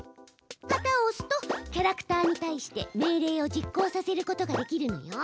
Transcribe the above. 旗をおすとキャラクターにたいして命令を実行させることができるのよ！